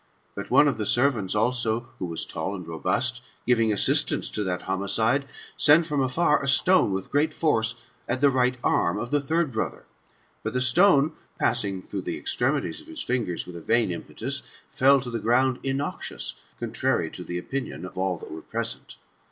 But one of the servants also, idio was tall and robust, giving assistance to that homidde, sent from afar a stone, with great force, at the right arm of the third brother ; but the stone, passing through the extremities of his fingers with a vain impetus, fell to the ground innoxious, contrary to the opinion of all that were present.